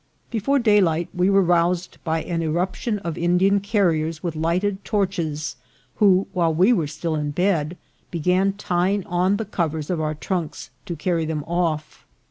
Before daylight we were roused by an irruption of Indian carriers with lighted torches, who, while we were still in bed, began tying on the covers of our trunks to carry them off.